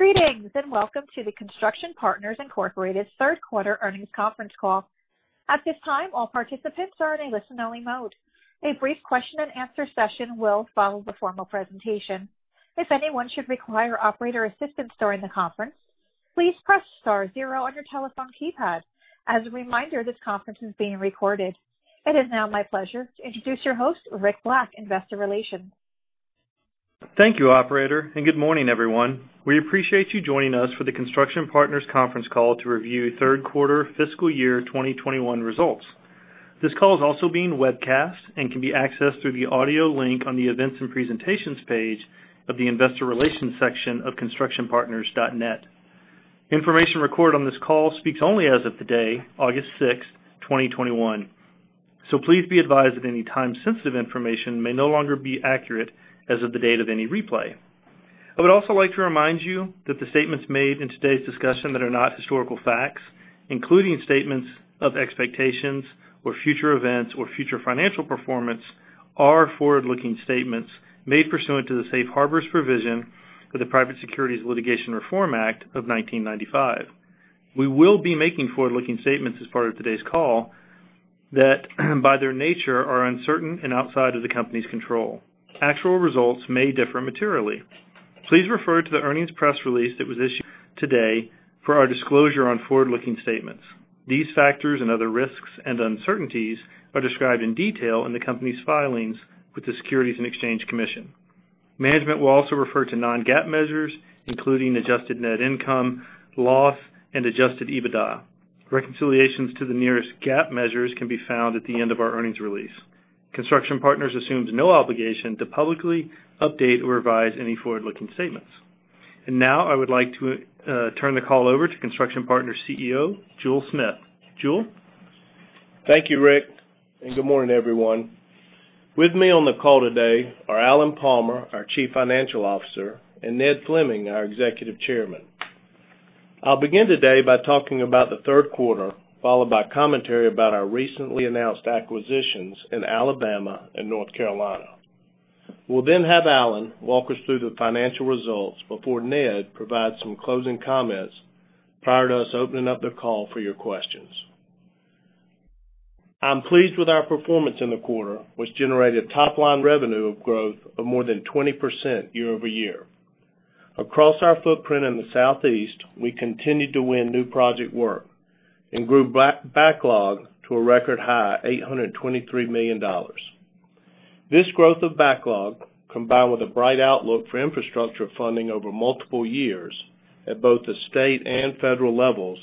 [Greetings and Welcome to the Construction Partners Incorporated Third Quarter Earnings Conference Call. At this time, all participants are in a listen-only mode. A brief question-and-answer session will follow the formal presentation. As a reminder, this conference is being recorded]. It is now my pleasure to introduce your host, Rick Black, Investor Relations. Thank you, operator, and good morning, everyone. We appreciate you joining us for the Construction Partners' conference call to review third quarter fiscal year 2021 results. This call is also being webcast and can be accessed through the audio link on the Events and Presentations page of the investor relations section of constructionpartners.net. Information recorded on this call speaks only as of today, August 6, 2021. Please be advised that any time-sensitive information may no longer be accurate as of the date of any replay. I would also like to remind you that the statements made in today's discussion that are not historical facts, including statements of expectations or future events or future financial performance, are forward-looking statements made pursuant to the safe harbors provision for the Private Securities Litigation Reform Act of 1995. We will be making forward-looking statements as part of today's call that, by their nature, are uncertain and outside of the company's control. Actual results may differ materially. Please refer to the earnings press release that was issued today for our disclosure on forward-looking statements. These factors and other risks and uncertainties are described in detail in the company's filings with the Securities and Exchange Commission. Management will also refer to non-GAAP measures, including adjusted net income, loss, and adjusted EBITDA. Reconciliations to the nearest GAAP measures can be found at the end of our earnings release. Construction Partners assumes no obligation to publicly update or revise any forward-looking statements. Now, I would like to turn the call over to Construction Partners' CEO, Jule Smith. Jule? Thank you, Rick. Good morning, everyone. With me on the call today are Alan Palmer, our Chief Financial Officer, and Ned Fleming, our Executive Chairman. I'll begin today by talking about the third quarter, followed by commentary about our recently announced acquisitions in Alabama and North Carolina. We'll then have Alan walk us through the financial results before Ned provides some closing comments prior to us opening up the call for your questions. I'm pleased with our performance in the quarter, which generated top-line revenue of growth of more than 20% year-over-year. Across our footprint in the Southeast, we continued to win new project work and grew backlog to a record high at $823 million. This growth of backlog, combined with a bright outlook for infrastructure funding over multiple years at both the state and federal levels,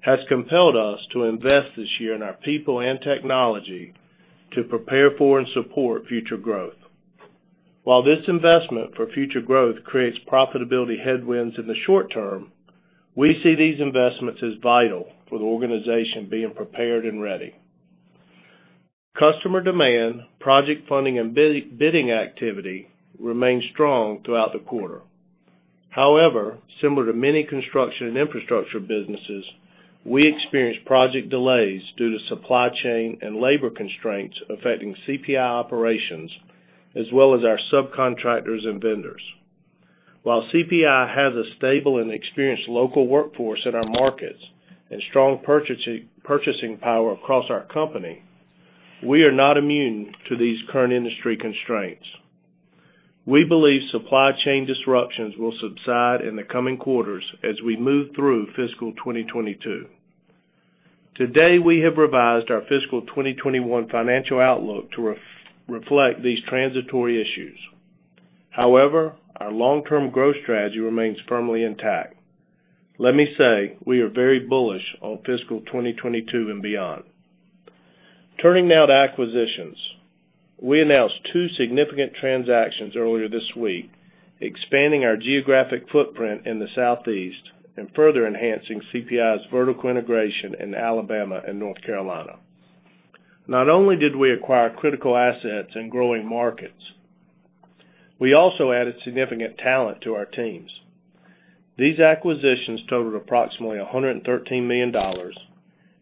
has compelled us to invest this year in our people and technology to prepare for and support future growth. While this investment for future growth creates profitability headwinds in the short term, we see these investments as vital for the organization being prepared and ready. Customer demand, project funding, and bidding activity remained strong throughout the quarter. Similar to many construction and infrastructure businesses, we experienced project delays due to supply chain and labor constraints affecting CPI operations, as well as our subcontractors and vendors. CPI has a stable and experienced local workforce in our markets and strong purchasing power across our company, we are not immune to these current industry constraints. We believe supply chain disruptions will subside in the coming quarters as we move through fiscal 2022. Today, we have revised our fiscal 2021 financial outlook to reflect these transitory issues. Our long-term growth strategy remains firmly intact. Let me say, we are very bullish on fiscal 2022 and beyond. Turning now to acquisitions. We announced two significant transactions earlier this week, expanding our geographic footprint in the Southeast and further enhancing CPI's vertical integration in Alabama and North Carolina. Not only did we acquire critical assets in growing markets, we also added significant talent to our teams. These acquisitions totaled approximately $113 million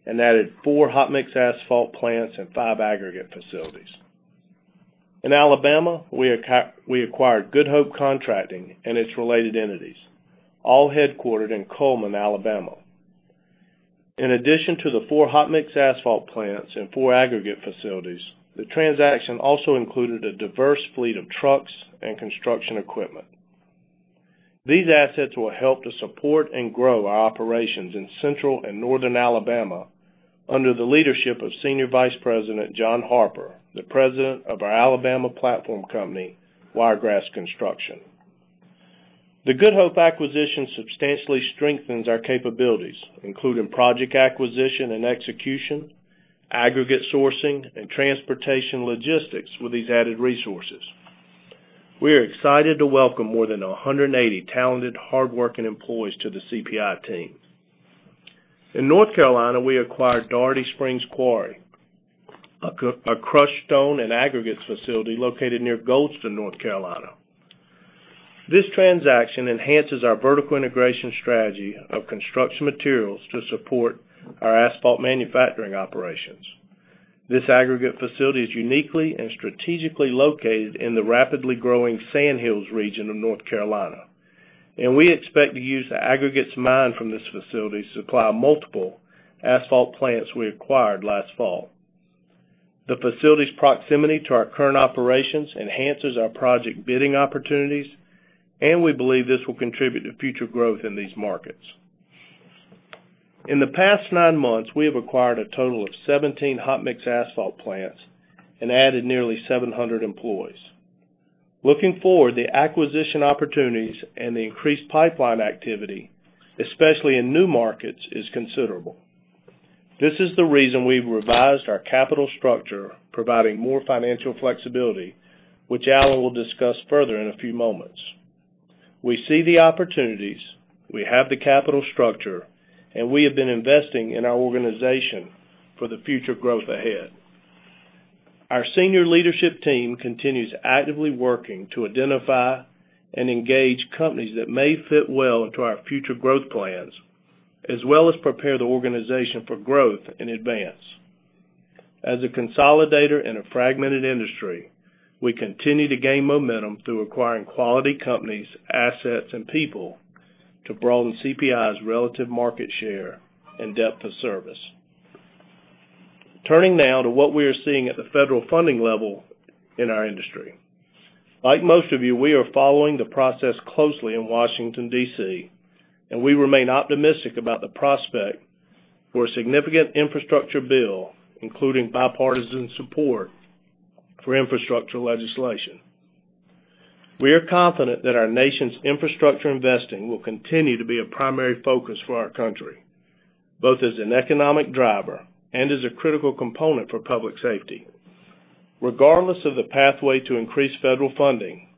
and added four hot-mix asphalt plants and five aggregate facilities. In Alabama, we acquired Good Hope Contracting and its related entities, all headquartered in Cullman, Alabama. In addition to the 4 hot-mix asphalt plants and 4 aggregate facilities, the transaction also included a diverse fleet of trucks and construction equipment. These assets will help to support and grow our operations in Central and Northern Alabama under the leadership of Senior Vice President John Harper, the president of our Alabama platform company, Wiregrass Construction. The Good Hope acquisition substantially strengthens our capabilities, including project acquisition and execution, aggregate sourcing, and transportation logistics with these added resources. We are excited to welcome more than 180 talented, hardworking employees to the CPI team. In North Carolina, we acquired Daurity Springs Quarry, a crushed stone and aggregates facility located near Goldston, North Carolina. This transaction enhances our vertical integration strategy of construction materials to support our asphalt manufacturing operations. This aggregate facility is uniquely and strategically located in the rapidly growing Sandhills region of North Carolina. We expect to use the aggregates mined from this facility to supply multiple asphalt plants we acquired last fall. The facility's proximity to our current operations enhances our project bidding opportunities, and we believe this will contribute to future growth in these markets. In the past 9 months, we have acquired a total of 17 hot-mix asphalt plants and added nearly 700 employees. Looking forward, the acquisition opportunities and the increased pipeline activity, especially in new markets, is considerable. This is the reason we've revised our capital structure, providing more financial flexibility, which Alan will discuss further in a few moments. We see the opportunities, we have the capital structure, and we have been investing in our organization for the future growth ahead. Our senior leadership team continues actively working to identify and engage companies that may fit well into our future growth plans, as well as prepare the organization for growth in advance. As a consolidator in a fragmented industry, we continue to gain momentum through acquiring quality companies, assets, and people to broaden CPI's relative market share and depth of service. Turning now to what we are seeing at the federal funding level in our industry. Like most of you, we are following the process closely in Washington, D.C., and we remain optimistic about the prospect for a significant infrastructure bill, including bipartisan support for infrastructure legislation. We are confident that our nation's infrastructure investing will continue to be a primary focus for our country, both as an economic driver and as a critical component for public safety. Regardless of the pathway to increase federal funding,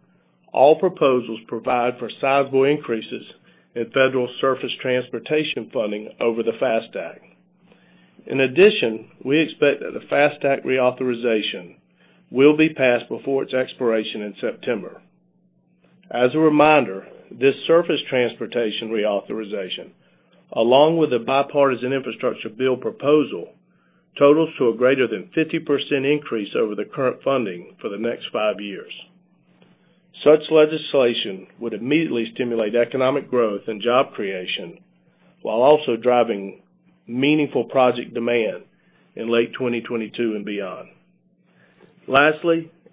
all proposals provide for sizable increases in federal surface transportation funding over the FAST Act. We expect that the FAST Act reauthorization will be passed before its expiration in September. As a reminder, this surface transportation reauthorization, along with the bipartisan infrastructure bill proposal, totals to a greater than 50% increase over the current funding for the next five years. Such legislation would immediately stimulate economic growth and job creation while also driving meaningful project demand in late 2022 and beyond.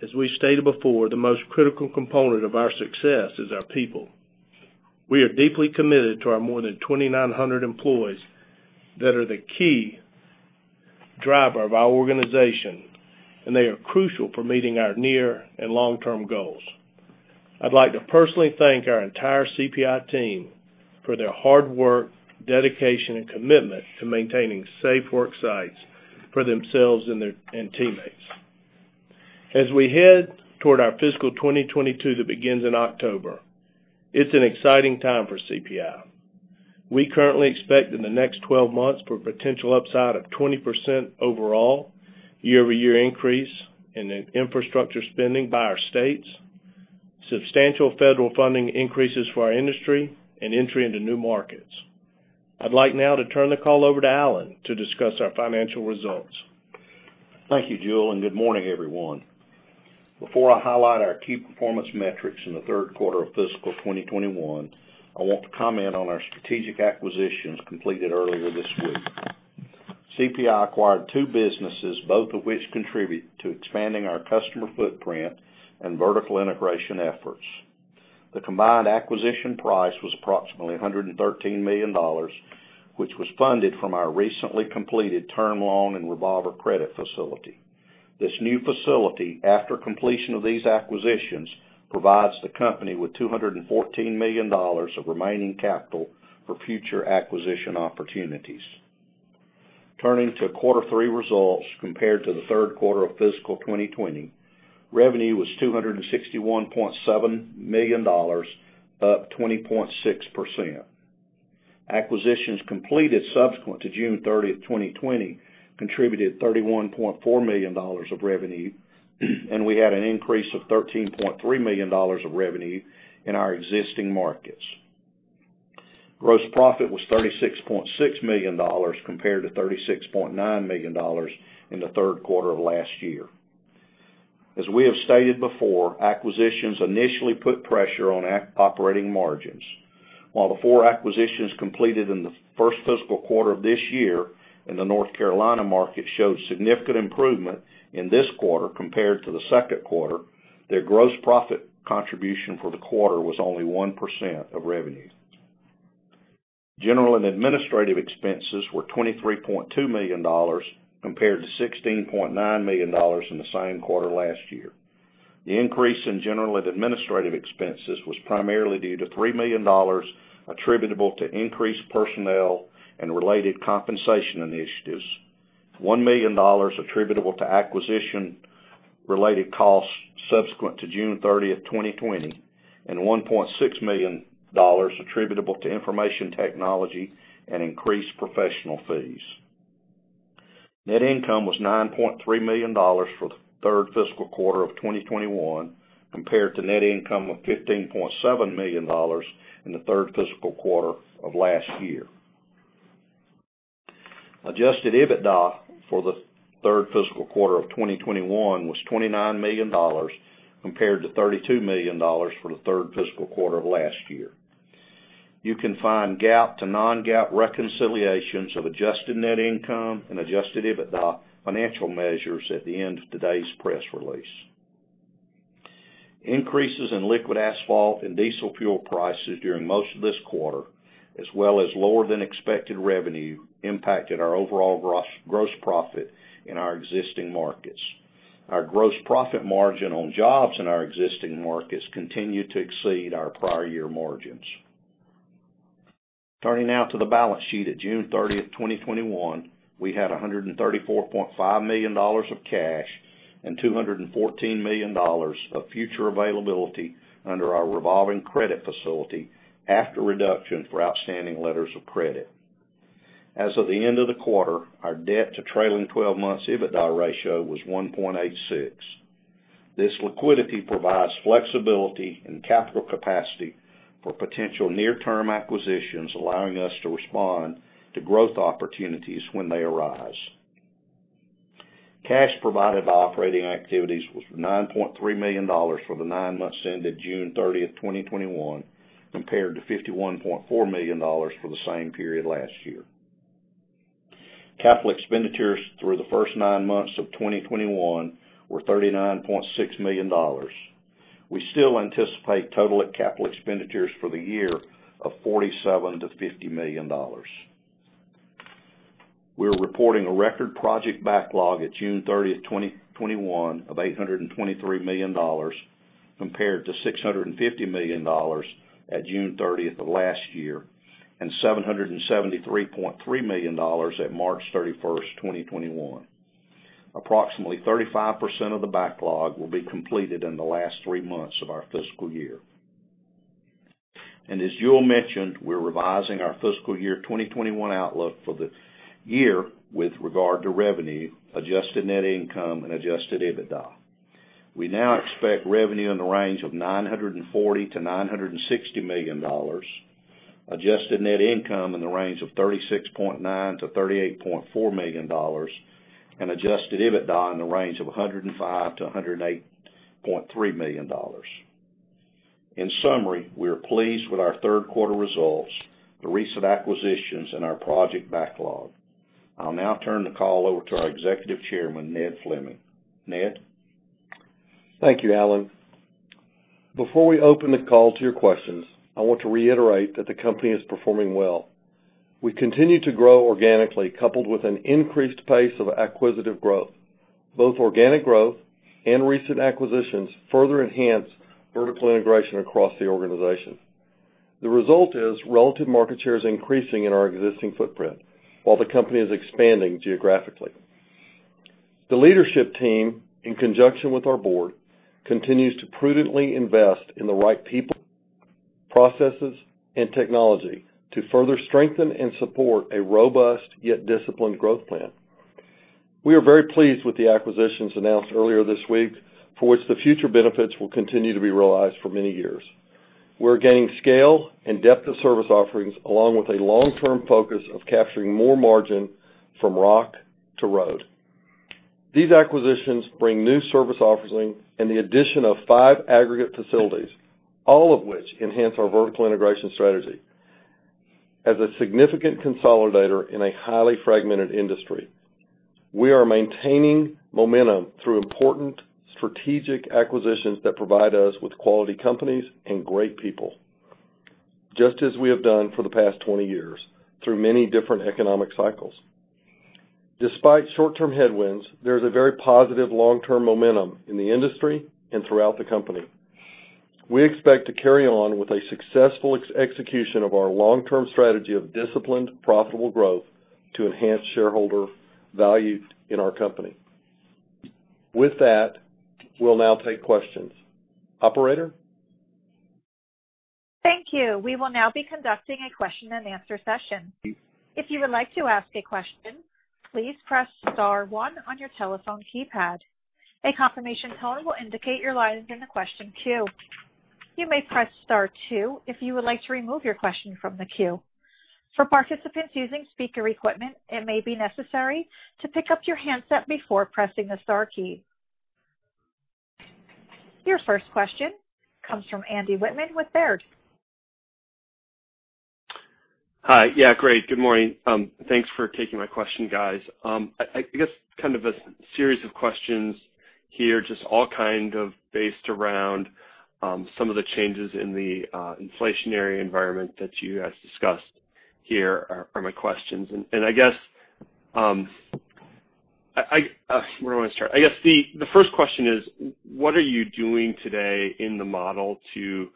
As we stated before, the most critical component of our success is our people. We are deeply committed to our more than 2,900 employees that are the key driver of our organization, and they are crucial for meeting our near and long-term goals. I'd like to personally thank our entire CPI team for their hard work, dedication, and commitment to maintaining safe work sites for themselves and teammates. As we head toward our fiscal 2022 that begins in October, it's an exciting time for CPI. We currently expect in the next 12 months for a potential upside of 20% overall year-over-year increase in infrastructure spending by our states, substantial federal funding increases for our industry, and entry into new markets. I'd like now to turn the call over to Alan to discuss our financial results. Thank you, Jule, and good morning, everyone. Before I highlight our key performance metrics in the third quarter of fiscal 2021, I want to comment on our strategic acquisitions completed earlier this week. CPI acquired 2 businesses, both of which contribute to expanding our customer footprint and vertical integration efforts. The combined acquisition price was approximately $113 million, which was funded from our recently completed term loan and revolver credit facility. This new facility, after completion of these acquisitions, provides the company with $214 million of remaining capital for future acquisition opportunities. Turning to quarter three results compared to the third quarter of fiscal 2020, revenue was $261.7 million, up 20.6%. Acquisitions completed subsequent to June 30th, 2020, contributed $31.4 million of revenue, and we had an increase of $13.3 million of revenue in our existing markets. Gross profit was $36.6 million compared to $36.9 million in the third quarter of last year. As we have stated before, acquisitions initially put pressure on operating margins. While the four acquisitions completed in the first fiscal quarter of this year in the North Carolina market showed significant improvement in this quarter compared to the second quarter, their gross profit contribution for the quarter was only 1% of revenue. General and administrative expenses were $23.2 million, compared to $16.9 million in the same quarter last year. The increase in general and administrative expenses was primarily due to $3 million attributable to increased personnel and related compensation initiatives. $1 million attributable to acquisition-related costs subsequent to June 30th, 2020, and $1.6 million attributable to information technology and increased professional fees. Net income was $9.3 million for the third fiscal quarter of 2021 compared to net income of $15.7 million in the third fiscal quarter of last year. Adjusted EBITDA for the third fiscal quarter of 2021 was $29 million, compared to $32 million for the third fiscal quarter of last year. You can find GAAP to non-GAAP reconciliations of adjusted net income and adjusted EBITDA financial measures at the end of today's press release. Increases in liquid asphalt and diesel fuel prices during most of this quarter, as well as lower than expected revenue impacted our overall gross profit in our existing markets. Our gross profit margin on jobs in our existing markets continued to exceed our prior year margins. Turning now to the balance sheet at June 30, 2021, we had $134.5 million of cash and $214 million of future availability under our revolving credit facility after reduction for outstanding letters of credit. As of the end of the quarter, our debt to trailing 12 months EBITDA ratio was 1.86. This liquidity provides flexibility and capital capacity for potential near-term acquisitions, allowing us to respond to growth opportunities when they arise. Cash provided by operating activities was $9.3 million for the 9 months ended June 30, 2021, compared to $51.4 million for the same period last year. Capital expenditures through the first 9 months of 2021 were $39.6 million. We still anticipate total capital expenditures for the year of $47 million-$50 million. We're reporting a record project backlog at June 30th, 2021 of $823 million, compared to $650 million at June 30th of last year and $773.3 million at March 31st, 2021. Approximately 35% of the backlog will be completed in the last three months of our fiscal year. As Jule mentioned, we're revising our fiscal year 2021 outlook for the year with regard to revenue, adjusted net income and adjusted EBITDA. We now expect revenue in the range of $940 million-$960 million, adjusted net income in the range of $36.9 million-$38.4 million, and adjusted EBITDA in the range of $105 million-$108.3 million. In summary, we are pleased with our third quarter results, the recent acquisitions and our project backlog. I'll now turn the call over to our Executive Chairman, Ned Fleming. Ned? Thank you, Alan. Before we open the call to your questions, I want to reiterate that the company is performing well. We continue to grow organically, coupled with an increased pace of acquisitive growth. Both organic growth and recent acquisitions further enhance vertical integration across the organization. The result is relative market share is increasing in our existing footprint, while the company is expanding geographically. The leadership team, in conjunction with our Board, continues to prudently invest in the right people, processes, and technology to further strengthen and support a robust yet disciplined growth plan. We are very pleased with the acquisitions announced earlier this week, for which the future benefits will continue to be realized for many years. We're gaining scale and depth of service offerings, along with a long-term focus of capturing more margin from rock to road. These acquisitions bring new service offerings and the addition of five aggregate facilities, all of which enhance our vertical integration strategy. As a significant consolidator in a highly fragmented industry, we are maintaining momentum through important strategic acquisitions that provide us with quality companies and great people, just as we have done for the past 20 years through many different economic cycles. Despite short-term headwinds, there's a very positive long-term momentum in the industry and throughout the company. We expect to carry on with a successful execution of our long-term strategy of disciplined, profitable growth to enhance shareholder value in our company. With that, we'll now take questions. Operator? [Thank you. We will now be conducting a question-and-answer session. If you would like to ask a question, please press star one on your telephone keypad. A confirmation tone will indicate your line in a question queue. You may press star two if you would like to remove your question from the queue. For participants using speaker equipment, may be necessary to pick up your handset before pressing the star key.] Your first question comes from Andy Wittmann with Baird. Hi. Yeah, great. Good morning. Thanks for taking my question, guys. I guess kind of a series of questions here, just all kind of based around some of the changes in the inflationary environment that you guys discussed here are my questions. Where do I want to start? I guess the first question is: What are you doing today in the model to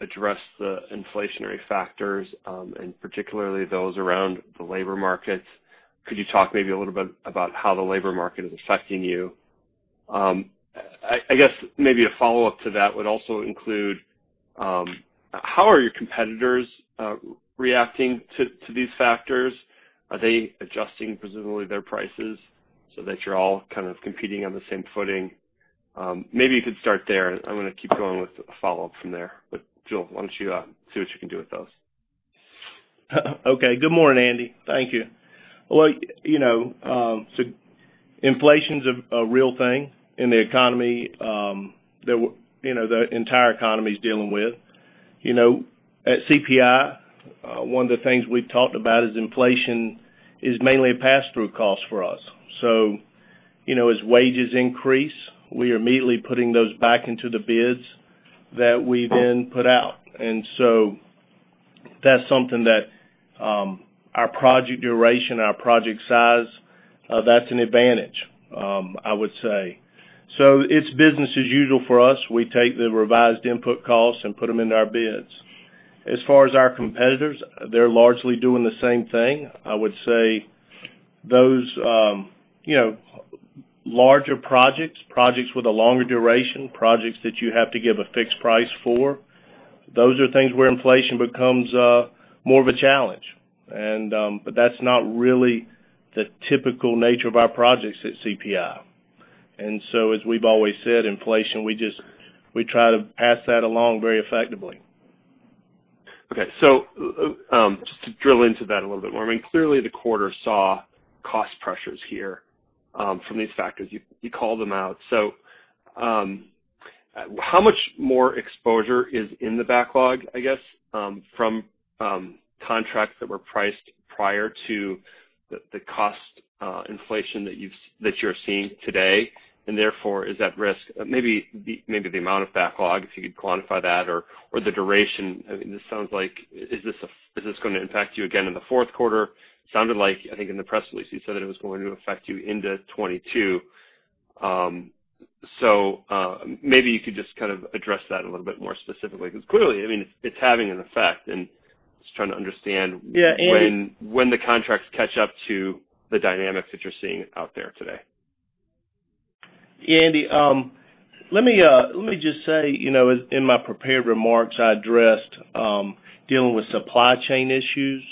address the inflationary factors, and particularly those around the labor markets? Could you talk maybe a little bit about how the labor market is affecting you? I guess maybe a follow-up to that would also include, how are your competitors reacting to these factors? Are they adjusting, presumably, their prices so that you're all kind of competing on the same footing? Maybe you could start there. I'm going to keep going with a follow-up from there. Jule Smith, why don't you see what you can do with those? Okay. Good morning, Andy Wittmann. Thank you. Well, inflation's a real thing in the economy that the entire economy's dealing with. At CPI, one of the things we've talked about is inflation is mainly a pass-through cost for us. As wages increase, we are immediately putting those back into the bids that we then put out. That's something that our project duration, our project size, that's an advantage, I would say. It's business as usual for us. We take the revised input costs and put them into our bids. As far as our competitors, they're largely doing the same thing. I would say those larger projects with a longer duration, projects that you have to give a fixed price for, those are things where inflation becomes more of a challenge. That's not really the typical nature of our projects at CPI. As we've always said, inflation, we try to pass that along very effectively. Okay. Just to drill into that a little bit more, clearly the quarter saw cost pressures here from these factors. You called them out. How much more exposure is in the backlog, I guess, from contracts that were priced prior to the cost inflation that you’re seeing today, and therefore is at risk? Maybe the amount of backlog, if you could quantify that or the duration. This sounds like, is this going to impact you again in the fourth quarter? Sounded like, I think in the press release, you said that it was going to affect you into 2022. Maybe you could just address that a little bit more specifically, because clearly, it’s having an effect, and just trying to understand. Yeah, Andy. When the contracts catch up to the dynamics that you're seeing out there today. Yeah, Andy Wittmann. Let me just say, in my prepared remarks, I addressed dealing with supply chain issues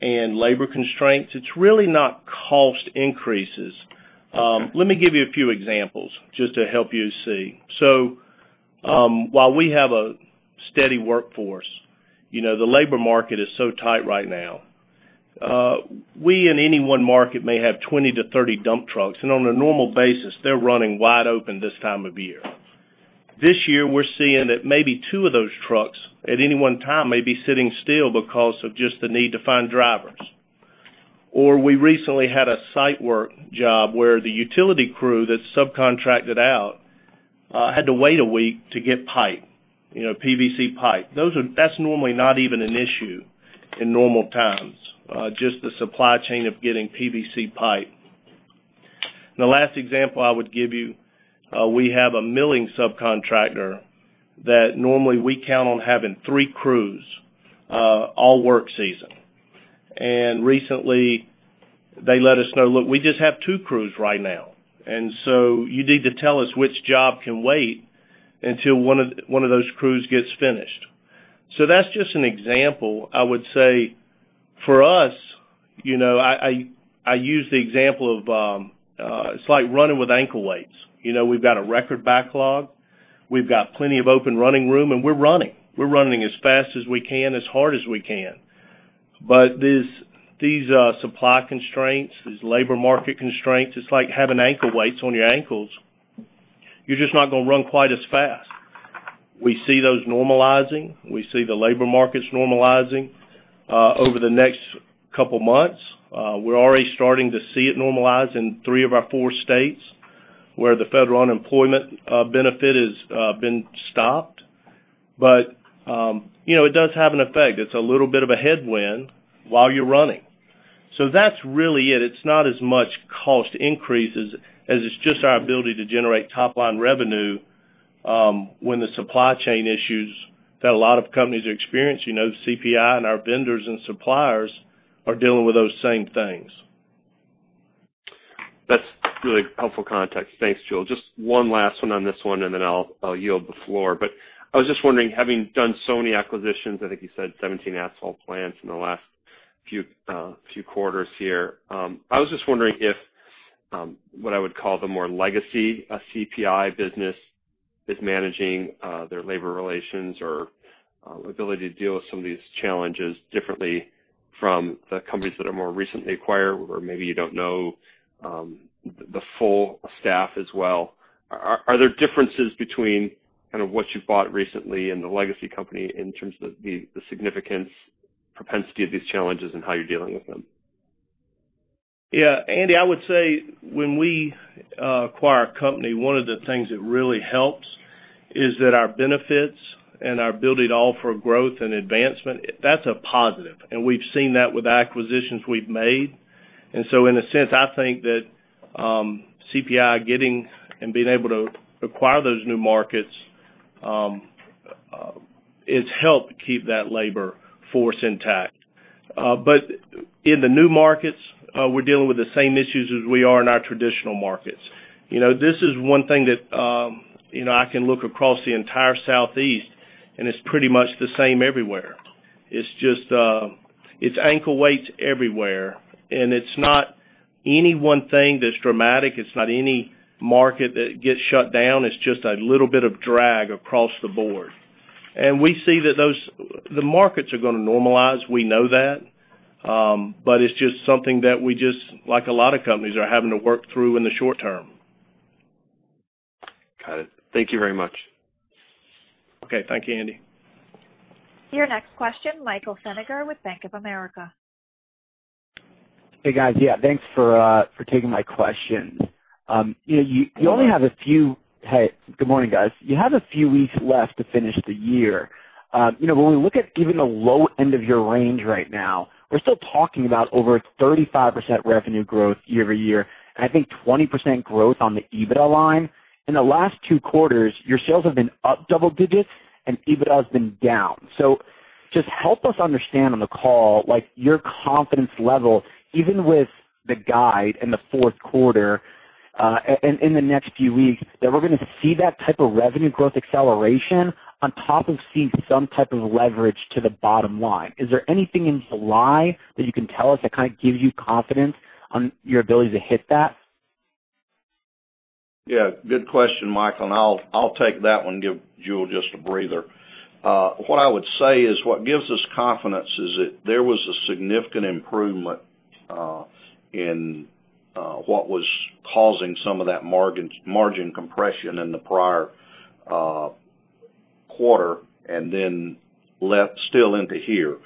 and labor constraints. It's really not cost increases. Let me give you a few examples just to help you see. While we have a steady workforce, the labor market is so tight right now. We, in any one market, may have 20-30 dump trucks, and on a normal basis, they're running wide open this time of year. This year, we're seeing that maybe two of those trucks at any one time may be sitting still because of just the need to find drivers. We recently had a site work job where the utility crew that subcontracted out had to wait a week to get pipe, PVC pipe. That's normally not even an issue in normal times, just the supply chain of getting PVC pipe. The last example I would give you, we have a milling subcontractor that normally we count on having 3 crews all work season. Recently they let us know, "Look, we just have 2 crews right now, you need to tell us which job can wait until one of those crews gets finished." That's just an example. I would say, for us, I use the example of it's like running with ankle weights. We've got a record backlog. We've got plenty of open running room, and we're running. We're running as fast as we can, as hard as we can. These supply constraints, these labor market constraints, it's like having ankle weights on your ankles. You're just not going to run quite as fast. We see those normalizing. We see the labor markets normalizing over the next 2 months. We're already starting to see it normalize in 3 of our 4 states where the federal unemployment benefit has been stopped. It does have an effect. It's a little bit of a headwind while you're running. That's really it. It's not as much cost increases as it's just our ability to generate top-line revenue when the supply chain issues that a lot of companies are experiencing, CPI and our vendors and suppliers are dealing with those same things. That's really helpful context. Thanks, Jule. Just one last one on this one, and then I'll yield the floor. I was just wondering, having done so many acquisitions, I think you said 17 asphalt plants in the last few quarters here. I was just wondering if what I would call the more legacy CPI business is managing their labor relations or ability to deal with some of these challenges differently from the companies that are more recently acquired, or maybe you don't know the full staff as well. Are there differences between what you've bought recently and the legacy company in terms of the significance, propensity of these challenges, and how you're dealing with them? Yeah. Andy Wittmann, I would say when we acquire a company, one of the things that really helps is that our benefits and our ability to offer growth and advancement, that's a positive. We've seen that with acquisitions we've made. In a sense, I think that CPI getting and being able to acquire those new markets, it's helped keep that labor force intact. In the new markets, we're dealing with the same issues as we are in our traditional markets. This is one thing that I can look across the entire Southeast, and it's pretty much the same everywhere. It's ankle weights everywhere. It's not any one thing that's dramatic. It's not any market that gets shut down. It's just a little bit of drag across the board. We see that the markets are going to normalize. We know that. It's just something that we just, like a lot of companies, are having to work through in the short term. Got it. Thank you very much. Okay. Thank you, Andy. Your next question, Michael Feniger with Bank of America. Hey, guys. Yeah, thanks for taking my questions. Yeah. Hey, good morning, guys. You have a few weeks left to finish the year. When we look at even the low end of your range right now, we're still talking about over 35% revenue growth year-over-year, and I think 20% growth on the EBITDA line. In the last two quarters, your sales have been up double digits and EBITDA has been down. Just help us understand on the call, your confidence level, even with the guide in the fourth quarter, in the next few weeks, that we're going to see that type of revenue growth acceleration on top of seeing some type of leverage to the bottom line. Is there anything in July that you can tell us that kind of gives you confidence on your ability to hit that? Yeah, good question, Michael, and I'll take that one, give Jule just a breather. What I would say is what gives us confidence is that there was a significant improvement in what was causing some of that margin compression in the prior quarter, and then left still into here.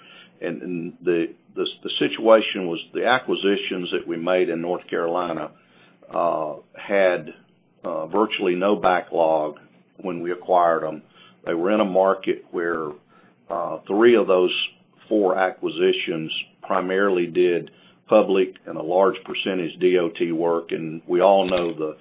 The situation was the acquisitions that we made in North Carolina had virtually no backlog when we acquired them. They were in a market where three of those four acquisitions primarily did public and a large percentage DOT work, and we all know the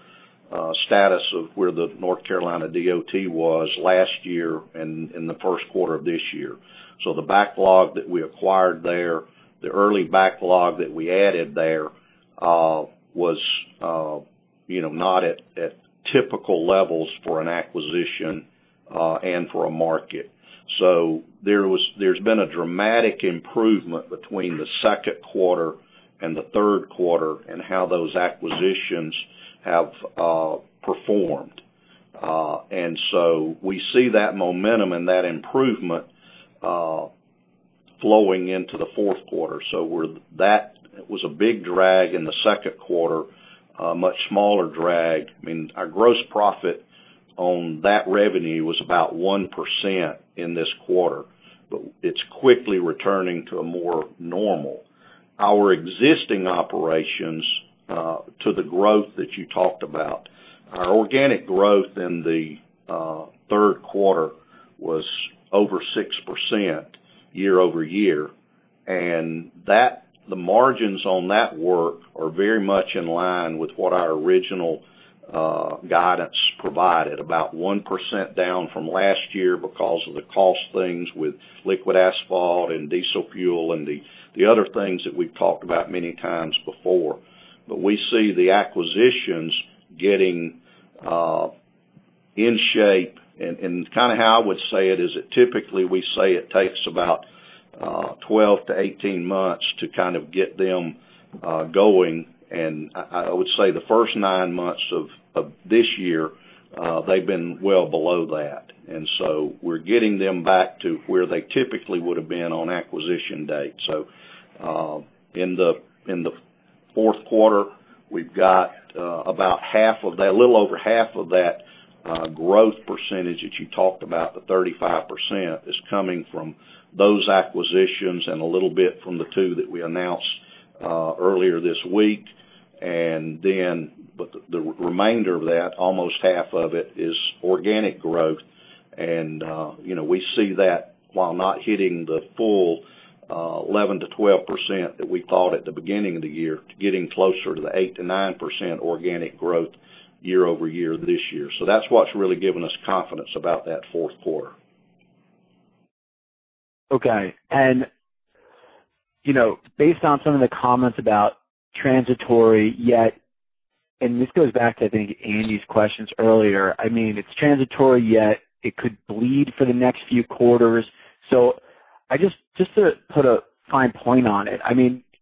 status of where the North Carolina DOT was last year and in the first quarter of this year. The backlog that we acquired there, the early backlog that we added there was not at typical levels for an acquisition and for a market. There's been a dramatic improvement between the second quarter and the third quarter in how those acquisitions have performed. We see that momentum and that improvement flowing into the fourth quarter. That was a big drag in the second quarter, a much smaller drag, I mean, our gross profit on that revenue was about 1% in this quarter. It's quickly returning to a more normal. Our existing operations, to the growth that you talked about, our organic growth in the third quarter was over 6% year-over-year. The margins on that work are very much in line with what our original guidance provided, about 1% down from last year because of the cost things with liquid asphalt and diesel fuel and the other things that we've talked about many times before. We see the acquisitions getting in shape. How I would say it is that typically we say it takes about 12-18 months to get them going, and I would say the first 9 months of this year, they've been well below that. We're getting them back to where they typically would have been on acquisition date. In the 4th quarter, we've got about half of that, a little over half of that growth percentage that you talked about, the 35%, is coming from those acquisitions and a little bit from the 2 that we announced earlier this week. The remainder of that, almost half of it, is organic growth. We see that while not hitting the full 11%-12% that we thought at the beginning of the year, to getting closer to the 8%-9% organic growth year-over-year this year. That's what's really given us confidence about that fourth quarter. Okay. Based on some of the comments about transitory yet, this goes back to, I think, Andy Wittmann's questions earlier. I mean, it's transitory, yet it could bleed for the next few quarters. Just to put a fine point on it.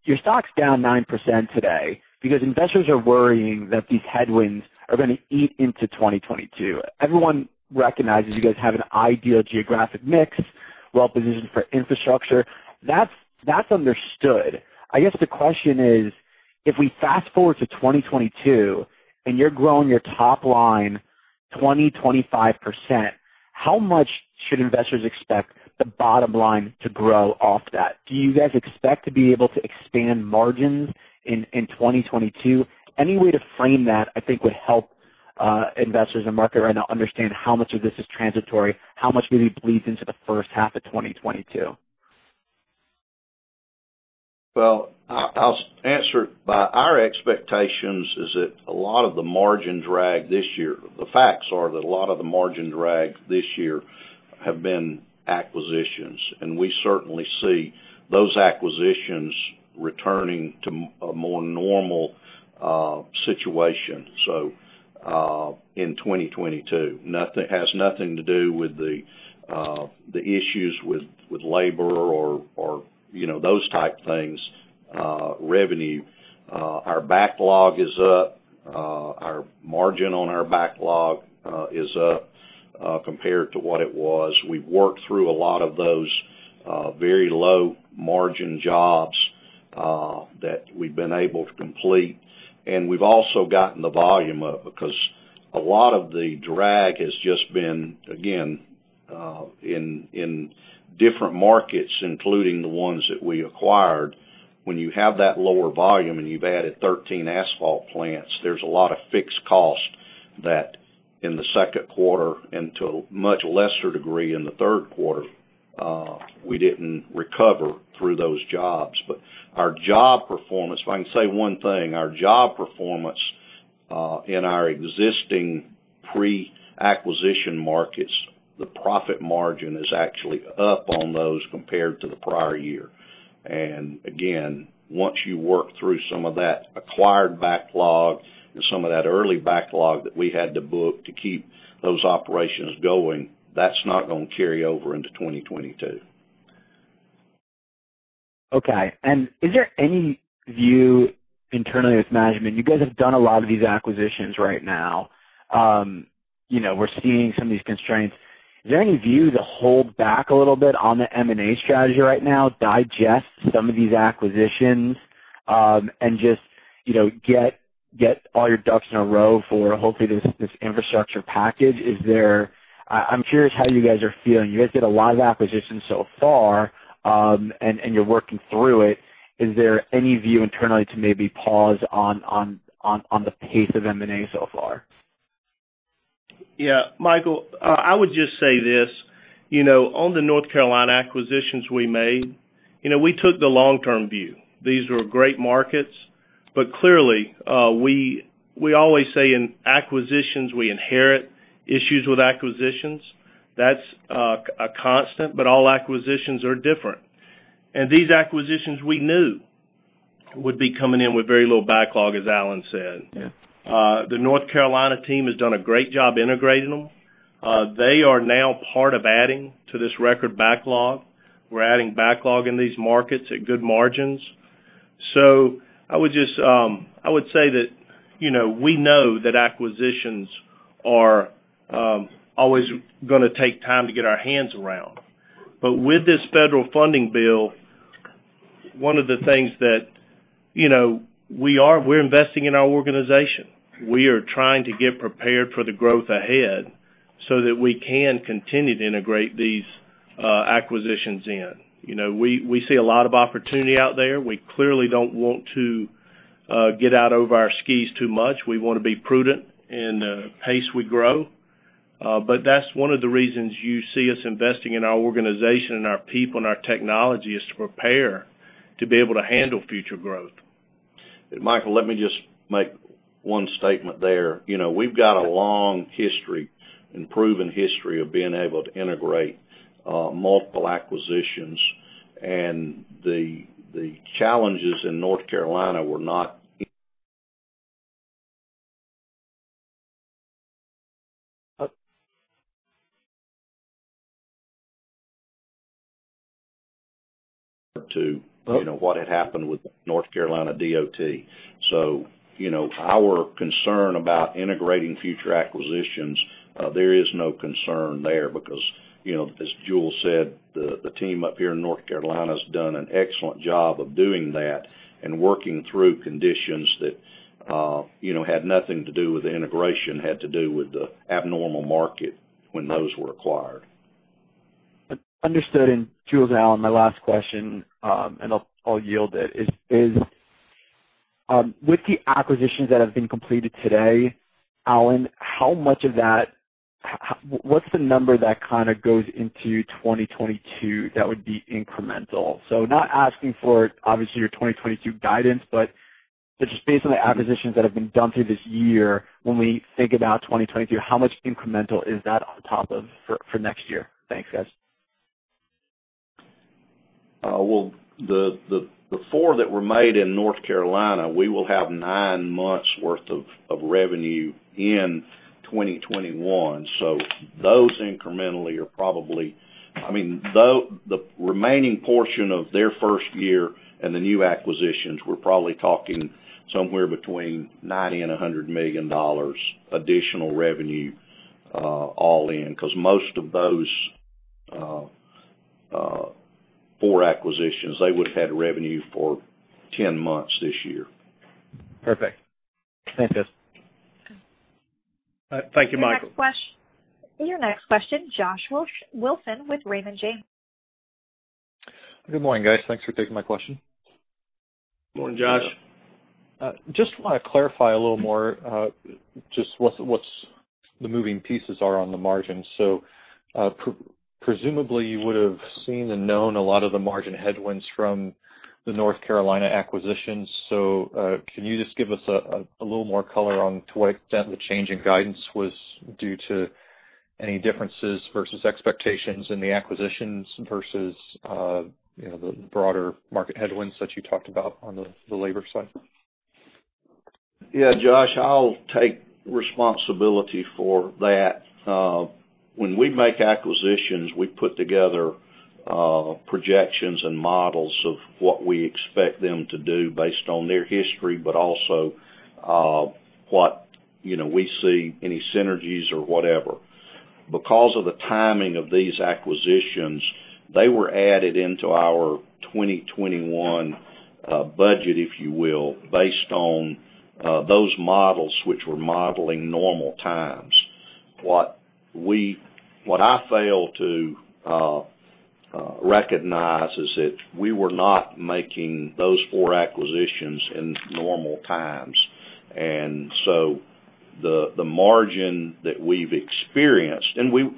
Your stock's down 9% today because investors are worrying that these headwinds are going to eat into 2022. Everyone recognizes you guys have an ideal geographic mix, well-positioned for infrastructure. That's understood. I guess the question is, if we fast-forward to 2022, and you're growing your top line 20%, 25%, how much should investors expect the bottom line to grow off that? Do you guys expect to be able to expand margins in 2022? Any way to frame that, I think, would help investors and market right now understand how much of this is transitory, how much really bleeds into the first half of 2022. Well, I'll answer. By our expectations is that a lot of the margin drag this year, the facts are that a lot of the margin drag this year have been acquisitions, and we certainly see those acquisitions returning to a more normal situation, so in 2022. Has nothing to do with the issues with labor or those type things. Revenue. Our backlog is up. Our margin on our backlog is up compared to what it was. We've worked through a lot of those very low-margin jobs that we've been able to complete, and we've also gotten the volume up because a lot of the drag has just been, again, in different markets, including the ones that we acquired. When you have that lower volume and you've added 13 asphalt plants, there's a lot of fixed cost that in the second quarter, and to a much lesser degree in the third quarter, we didn't recover through those jobs. Our job performance, if I can say one thing, our job performance in our existing pre-acquisition markets, the profit margin is actually up on those compared to the prior year. Again, once you work through some of that acquired backlog and some of that early backlog that we had to book to keep those operations going, that's not going to carry over into 2022. Okay. Is there any view internally with management? You guys have done a lot of these acquisitions right now. We are seeing some of these constraints. Is there any view to hold back a little bit on the M&A strategy right now, digest some of these acquisitions, and just get all your ducks in a row for, hopefully, this infrastructure package? I'm curious how you guys are feeling. You guys did a lot of acquisitions so far, and you're working through it. Is there any view internally to maybe pause on the pace of M&A so far? Yeah. Michael, I would just say this. On the North Carolina acquisitions we made, we took the long-term view. Clearly, we always say in acquisitions, we inherit issues with acquisitions. That's a constant, all acquisitions are different. These acquisitions we knew would be coming in with very little backlog, as Alan said. Yeah. The North Carolina team has done a great job integrating them. They are now part of adding to this record backlog. We're adding backlog in these markets at good margins. I would say that we know that acquisitions are always going to take time to get our hands around. With this federal funding bill, one of the things We're investing in our organization. We are trying to get prepared for the growth ahead so that we can continue to integrate these acquisitions in. We see a lot of opportunity out there. We clearly don't want to get out over our skis too much. We want to be prudent in the pace we grow. That's one of the reasons you see us investing in our organization and our people and our technology, is to prepare to be able to handle future growth. Michael, let me just make one statement there. We've got a long history and proven history of being able to integrate multiple acquisitions, and the challenges in North Carolina were not to what had happened with North Carolina DOT. Our concern about integrating future acquisitions, there is no concern there because, as Jule said, the team up here in North Carolina has done an excellent job of doing that and working through conditions that had nothing to do with the integration, had to do with the abnormal market when those were acquired. Understood. Jule, Alan, my last question, and I'll yield it is, with the acquisitions that have been completed today, Alan, what's the number that kind of goes into 2022 that would be incremental? Not asking for, obviously, your 2022 guidance, but just based on the acquisitions that have been done through this year, when we think about 2022, how much incremental is that on top of for next year? Thanks, guys. Well, the 4 that were made in North Carolina, we will have 9 months worth of revenue in 2021. The remaining portion of their first year and the new acquisitions, we're probably talking somewhere between $90 million and $100 million additional revenue all in, because most of those 4 acquisitions, they would've had revenue for 10 months this year. Perfect. Thanks, guys. Thank you, Michael. Your next question, Joshua Wilson with Raymond James. Good morning, guys. Thanks for taking my question. Morning, Josh. Just want to clarify a little more, just what the moving pieces are on the margin. Presumably, you would've seen and known a lot of the margin headwinds from the North Carolina acquisitions. Can you just give us a little more color on to what extent the change in guidance was due to any differences versus expectations in the acquisitions versus the broader market headwinds that you talked about on the labor side? Yeah, Joshua, I'll take responsibility for that. When we make acquisitions, we put together projections and models of what we expect them to do based on their history, but also what we see, any synergies or whatever. Because of the timing of these acquisitions, they were added into our 2021 budget, if you will, based on those models which were modeling normal times. What I failed to recognize is that we were not making those 4 acquisitions in normal times. The margin that we've experienced. We knew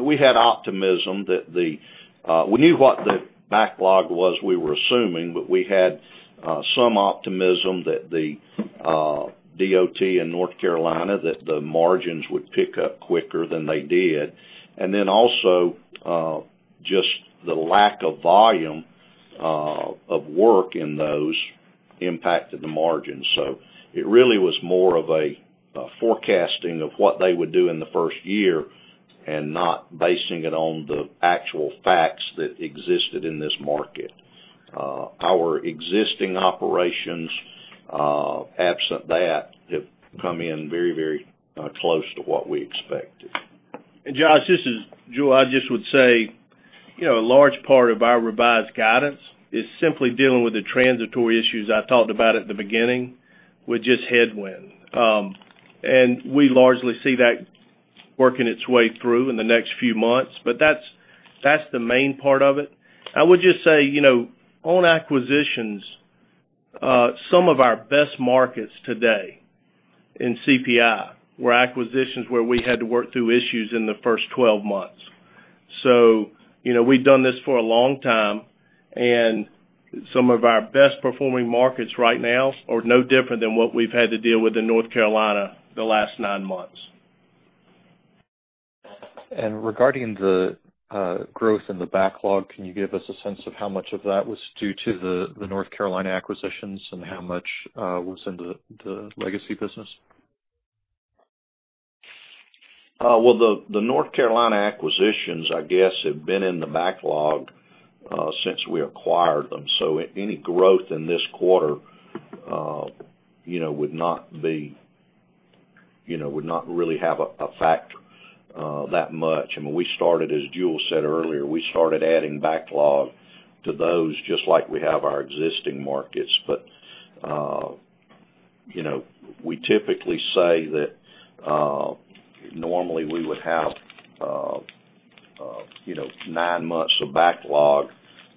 what the backlog was, we were assuming, but we had some optimism that the North Carolina DOT, that the margins would pick up quicker than they did. Also, just the lack of volume of work in those impacted the margin. It really was more of a forecasting of what they would do in the first year and not basing it on the actual facts that existed in this market. Our existing operations, absent that, have come in very close to what we expected. Josh, this is Jule. I just would say, a large part of our revised guidance is simply dealing with the transitory issues I talked about at the beginning, with just headwind. We largely see that working its way through in the next few months, but that's the main part of it. I would just say, on acquisitions, some of our best markets today in CPI were acquisitions where we had to work through issues in the first 12 months. We've done this for a long time, and some of our best performing markets right now are no different than what we've had to deal with in North Carolina the last nine months. Regarding the growth in the backlog, can you give us a sense of how much of that was due to the North Carolina acquisitions and how much was in the legacy business? The North Carolina acquisitions, I guess, have been in the backlog since we acquired them. Any growth in this quarter would not really have a factor that much. As Jule said earlier, we started adding backlog to those just like we have our existing markets. We typically say that normally we would have 9 months of backlog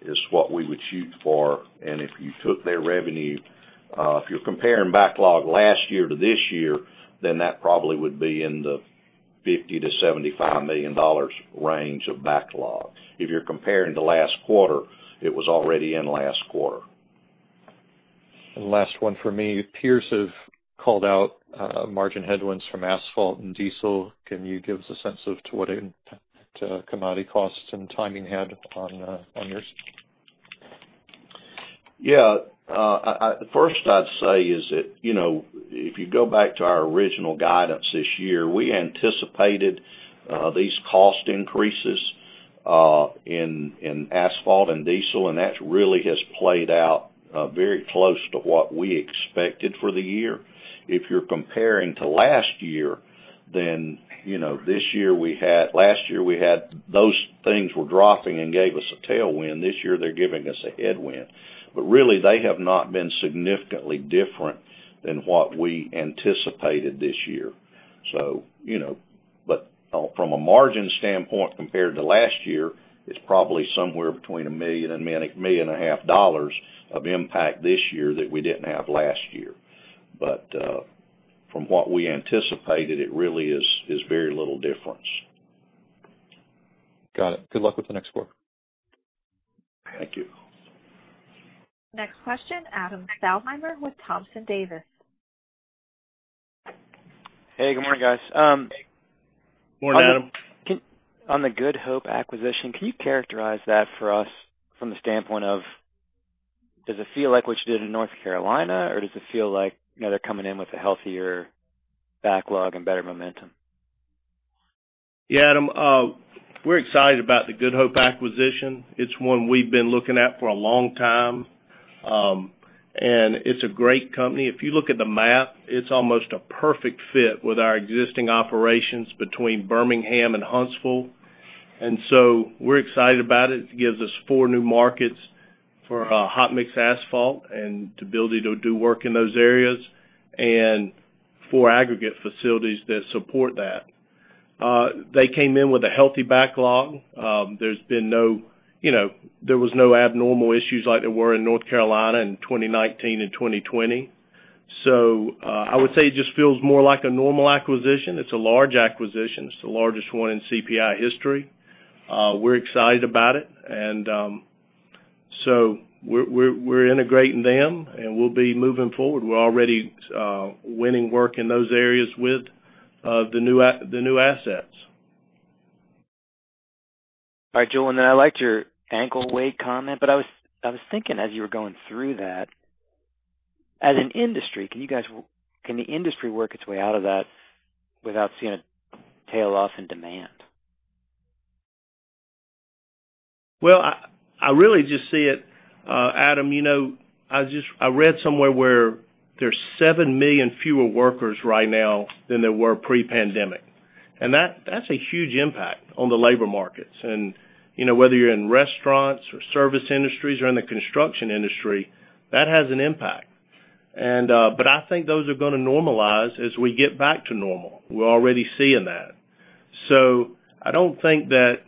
is what we would shoot for. If you took their revenue, if you're comparing backlog last year to this year, that probably would be in the $50 million-$75 million range of backlog. If you're comparing to last quarter, it was already in last quarter. Last one from me. Peers have called out margin headwinds from asphalt and diesel. Can you give us a sense of to what commodity costs and timing had on yours? First, I'd say is that, if you go back to our original guidance this year, we anticipated these cost increases in asphalt and diesel, and that really has played out very close to what we expected for the year. If you're comparing to last year, last year those things were dropping and gave us a tailwind. This year, they're giving us a headwind. Really, they have not been significantly different than what we anticipated this year. From a margin standpoint compared to last year, it's probably somewhere between $1 million and $1.5 million of impact this year that we didn't have last year. From what we anticipated, it really is very little difference. Got it. Good luck with the next quarter. Thank you. Next question, Adam Thalhimer with Thompson Davis. Hey, good morning, guys. Morning, Adam. On the Good Hope acquisition, can you characterize that for us from the standpoint of, does it feel like what you did in North Carolina or does it feel like they're coming in with a healthier backlog and better momentum? Yeah, Adam. We're excited about the Good Hope acquisition. It's one we've been looking at for a long time. It's a great company. If you look at the map, it's almost a perfect fit with our existing operations between Birmingham and Huntsville. We're excited about it. It gives us 4 new markets for hot-mix asphalt and the ability to do work in those areas, and 4 aggregate facilities that support that. They came in with a healthy backlog. There was no abnormal issues like there were in North Carolina in 2019 and 2020. I would say it just feels more like a normal acquisition. It's a large acquisition. It's the largest one in CPI history. We're excited about it and so we're integrating them and we'll be moving forward. We're already winning work in those areas with the new assets. All right, Jule, I liked your ankle weight comment, but I was thinking as you were going through that, as an industry, can the industry work its way out of that without seeing a tail off in demand? Well, I really just see it, Adam, I read somewhere where there's 7 million fewer workers right now than there were pre-pandemic. That's a huge impact on the labor markets. Whether you're in restaurants or service industries or in the construction industry, that has an impact. I think those are going to normalize as we get back to normal. We're already seeing that. I don't think that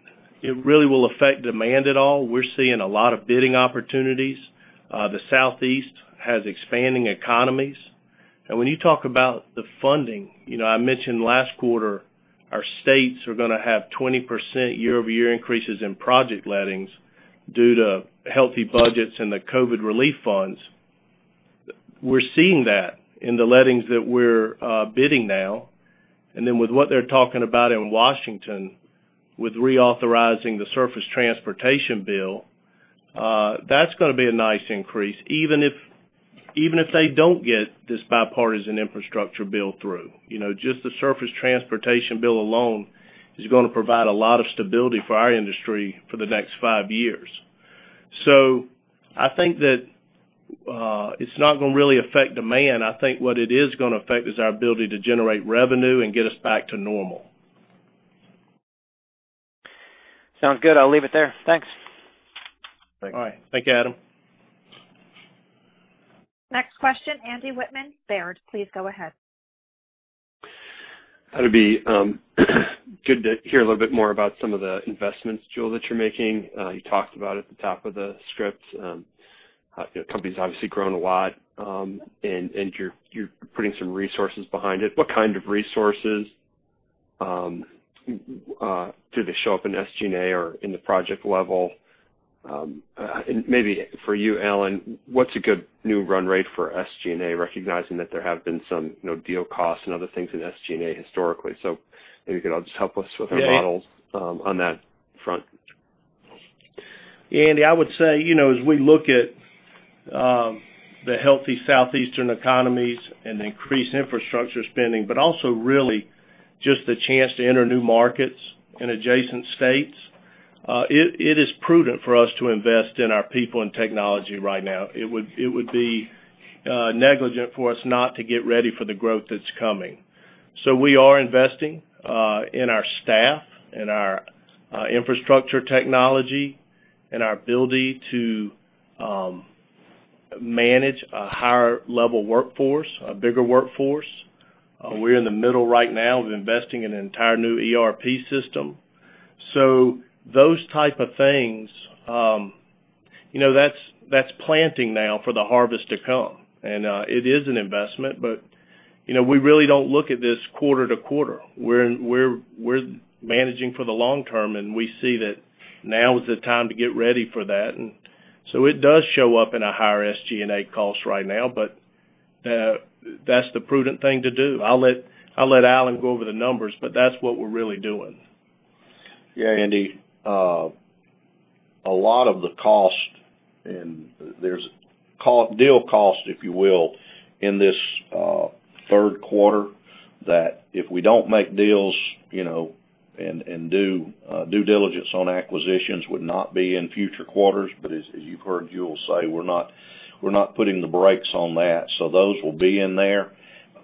it really will affect demand at all. We're seeing a lot of bidding opportunities. The Southeast has expanding economies. When you talk about the funding, I mentioned last quarter, our states are going to have 20% year-over-year increases in project lettings due to healthy budgets and the COVID relief funds. We're seeing that in the lettings that we're bidding now and then with what they're talking about in Washington with reauthorizing the Surface Transportation Bill, that's going to be a nice increase, even if they don't get this Bipartisan Infrastructure Bill through. Just the Surface Transportation Bill alone is going to provide a lot of stability for our industry for the next 5 years. I think that it's not going to really affect demand. I think what it is going to affect is our ability to generate revenue and get us back to normal. Sounds good. I'll leave it there. Thanks. Thanks. All right. Thank you, Adam. Next question, Andy Wittmann, Baird. Please go ahead. It'd be good to hear a little bit more about some of the investments, Jule, that you're making. You talked about it at the top of the script. Company's obviously grown a lot, you're putting some resources behind it. What kind of resources? Do they show up in SG&A or in the project level? Maybe for you, Alan, what's a good new run rate for SG&A, recognizing that there have been some deal costs and other things in SG&A historically? Maybe you could all just help us with our models on that front. Andy, I would say as we look at the healthy Southeastern economies and increased infrastructure spending, but also really just the chance to enter new markets in adjacent states, it is prudent for us to invest in our people and technology right now. It would be negligent for us not to get ready for the growth that's coming. We are investing in our staff and our infrastructure technology and our ability to manage a higher level workforce, a bigger workforce. We're in the middle right now of investing in an entire new ERP system. Those type of things, that's planting now for the harvest to come. It is an investment, but we really don't look at this quarter to quarter. We're managing for the long term, and we see that now is the time to get ready for that. It does show up in a higher SG&A cost right now, but that's the prudent thing to do. I'll let Alan go over the numbers, but that's what we're really doing. Andy. A lot of the cost, and there's deal cost, if you will, in this third quarter that if we don't make deals and do due diligence on acquisitions would not be in future quarters. As you've heard Juel say, we're not putting the brakes on that. Those will be in there.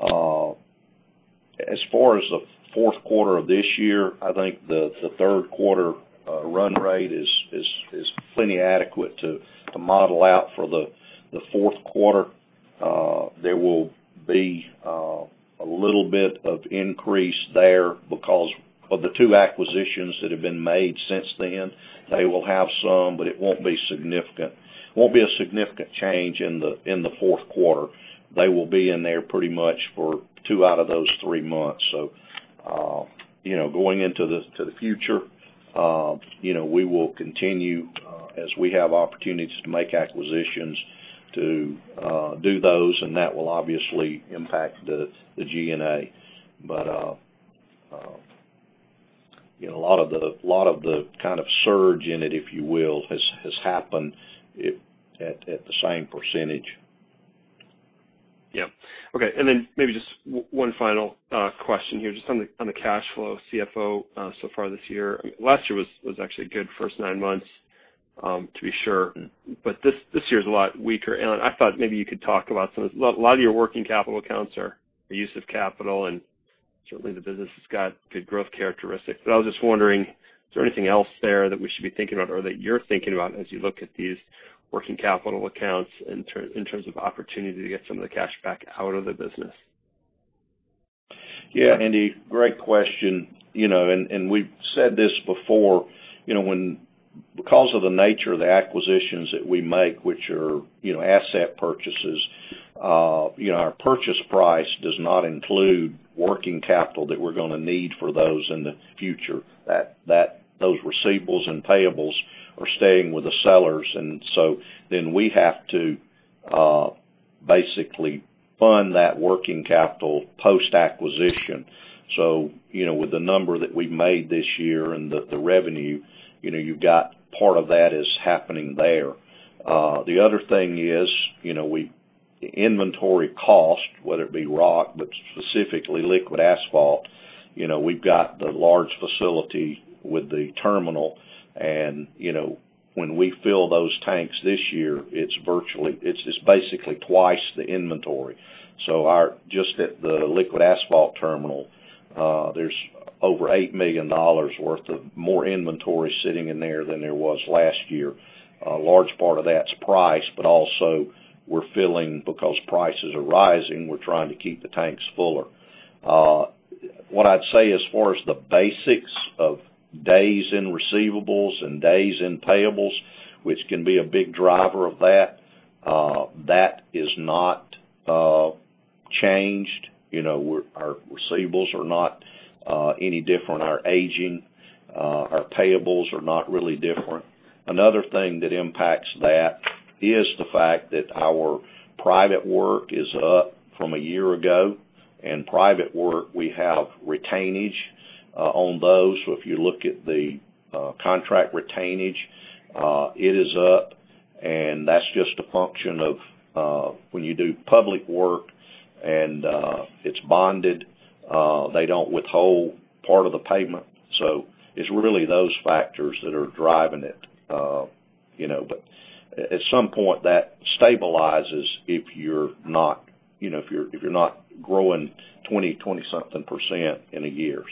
As far as the fourth quarter of this year, I think the third quarter run rate is plenty adequate to model out for the fourth quarter. There will be a little bit of increase there because of the 2 acquisitions that have been made since then. They will have some, but it won't be a significant change in the fourth quarter. They will be in there pretty much for 2 out of those 3 months. Going into the future, we will continue as we have opportunities to make acquisitions to do those, and that will obviously impact the G&A. A lot of the kind of surge in it, if you will, has happened at the same percentage. Yeah. Okay. Then maybe just one final question here, just on the cash flow, CFO, so far this year. Last year was actually a good first 9 months, to be sure, this year is a lot weaker. I thought maybe you could talk about a lot of your working capital accounts are the use of capital, certainly the business has got good growth characteristics. I was just wondering, is there anything else there that we should be thinking about or that you're thinking about as you look at these working capital accounts in terms of opportunity to get some of the cash back out of the business? Yeah, Andy, great question. We've said this before. Because of the nature of the acquisitions that we make, which are asset purchases, our purchase price does not include working capital that we're going to need for those in the future. Those receivables and payables are staying with the sellers. We have to basically fund that working capital post-acquisition. With the number that we made this year and the revenue, you've got part of that is happening there. The other thing is, the inventory cost, whether it be rock, but specifically liquid asphalt, we've got the large facility with the terminal, and when we fill those tanks this year, it's basically twice the inventory. Just at the liquid asphalt terminal, there's over $8 million worth of more inventory sitting in there than there was last year. A large part of that's price, but also we're filling because prices are rising, we're trying to keep the tanks fuller. What I'd say as far as the basics of days in receivables and days in payables, which can be a big driver of that is not changed. Our receivables are not any different. Our aging, our payables are not really different. Another thing that impacts that is the fact that our private work is up from a year ago. In private work, we have retainage on those. If you look at the contract retainage, it is up, and that's just a function of when you do public work and it's bonded, they don't withhold part of the payment. It's really those factors that are driving it. At some point that stabilizes if you're not growing 20 something percent in a year.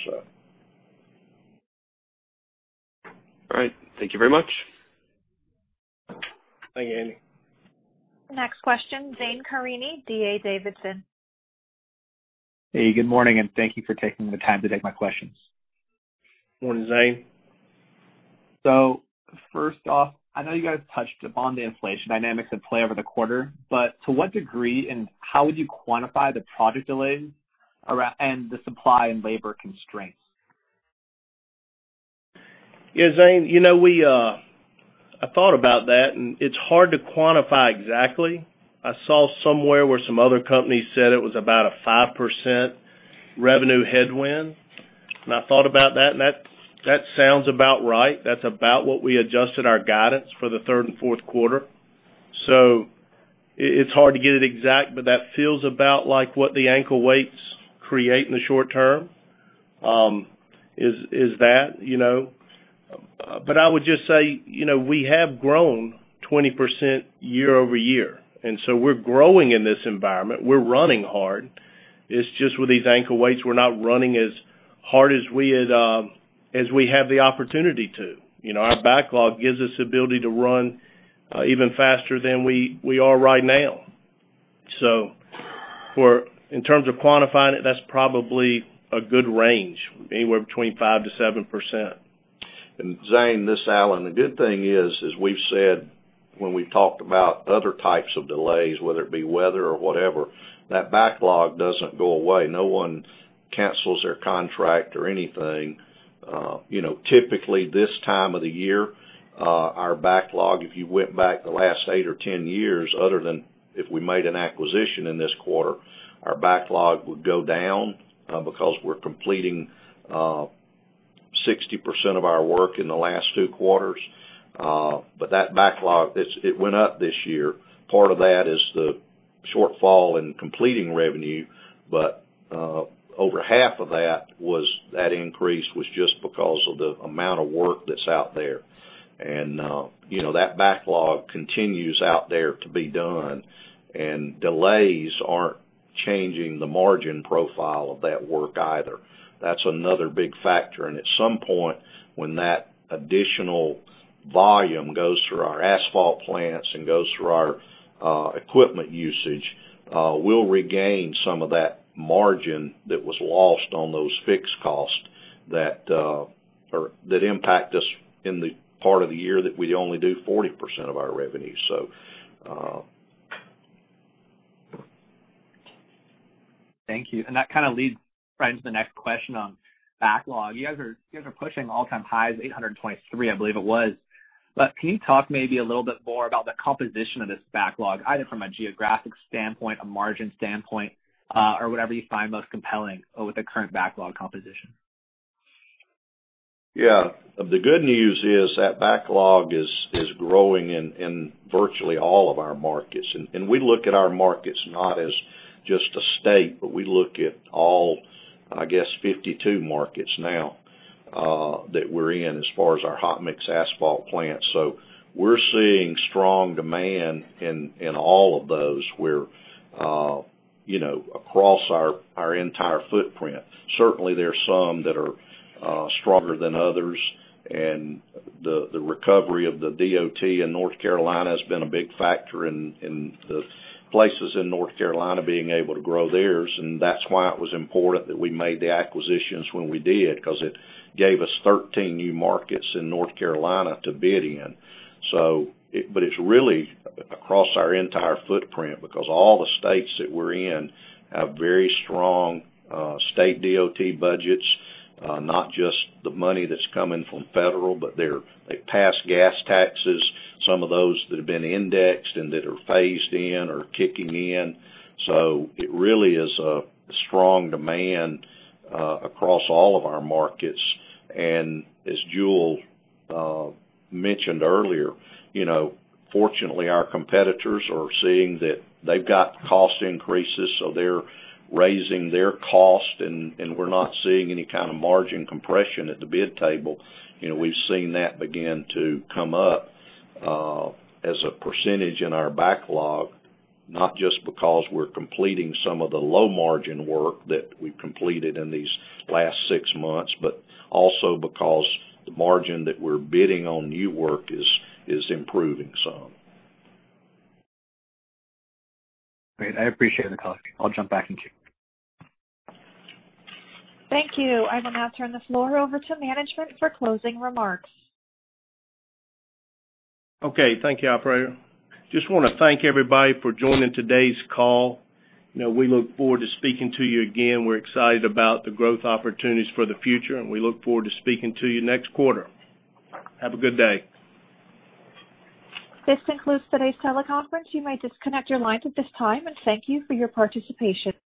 All right. Thank you very much. Thank you, Andy Wittmann. Next question, Zane Karimi, D.A. Davidson. Hey, good morning, thank you for taking the time to take my questions. Morning, Zane. First off, I know you guys touched upon the inflation dynamics at play over the quarter, but to what degree and how would you quantify the project delays and the supply and labor constraints? Yeah, Zane. I thought about that, and it's hard to quantify exactly. I saw somewhere where some other company said it was about a 5% revenue headwind, and I thought about that, and that sounds about right. That's about what we adjusted our guidance for the third and fourth quarter. It's hard to get it exact, but that feels about like what the ankle weights create in the short term, is that. I would just say, we have grown 20% year-over-year, and so we're growing in this environment. We're running hard. It's just with these ankle weights, we're not running as hard as we have the opportunity to. Our backlog gives us ability to run even faster than we are right now. In terms of quantifying it, that's probably a good range. Anywhere between 5%-7%. Zane, this is Alan. The good thing is, as we've said when we've talked about other types of delays, whether it be weather or whatever, that backlog doesn't go away. No one cancels their contract or anything. Typically, this time of the year, our backlog, if you went back the last 8 or 10 years, other than if we made an acquisition in this quarter, our backlog would go down because we're completing 60% of our work in the last two quarters. That backlog, it went up this year. Part of that is the shortfall in completing revenue, but over half of that increase was just because of the amount of work that's out there. That backlog continues out there to be done, and delays aren't changing the margin profile of that work either. That's another big factor, and at some point, when that additional volume goes through our asphalt plants and goes through our equipment usage, we'll regain some of that margin that was lost on those fixed costs that impact us in the part of the year that we only do 40% of our revenue. Thank you. That kind of leads right into the next question on backlog. You guys are pushing all-time highs, $823 I believe it was. Can you talk maybe a little bit more about the composition of this backlog, either from a geographic standpoint, a margin standpoint, or whatever you find most compelling with the current backlog composition? Yeah. The good news is that backlog is growing in virtually all of our markets. We look at our markets not as just a state, but we look at all, I guess, 52 markets now that we're in as far as our hot-mix asphalt plants. We're seeing strong demand in all of those where across our entire footprint. Certainly, there are some that are stronger than others, and the recovery of the DOT in North Carolina has been a big factor in the places in North Carolina being able to grow theirs. That's why it was important that we made the acquisitions when we did because it gave us 13 new markets in North Carolina to bid in. It's really across our entire footprint because all the states that we're in have very strong state DOT budgets. Not just the money that's coming from federal, but they passed gas taxes. Some of those that have been indexed and that are phased in are kicking in. It really is a strong demand across all of our markets. As Jule mentioned earlier, fortunately, our competitors are seeing that they've got cost increases, so they're raising their cost, and we're not seeing any kind of margin compression at the bid table. We've seen that begin to come up as a percentage in our backlog, not just because we're completing some of the low-margin work that we've completed in these last 6 months, but also because the margin that we're bidding on new work is improving some. Great. I appreciate the color. I'll jump back in queue. Thank you. I will now turn the floor over to management for closing remarks. Okay. Thank you, operator. Just want to thank everybody for joining today's call. We look forward to speaking to you again. We're excited about the growth opportunities for the future, and we look forward to speaking to you next quarter. Have a good day. This concludes today's teleconference. You may disconnect your lines at this time, and thank you for your participation.